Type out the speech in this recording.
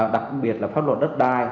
đặc biệt là pháp luật đất đai